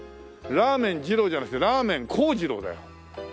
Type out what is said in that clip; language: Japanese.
ラーメン二郎じゃなくてラーメン光二郎だよ。